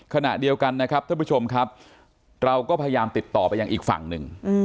ขณะเดียวกันนะครับท่านผู้ชมครับเราก็พยายามติดต่อไปยังอีกฝั่งหนึ่ง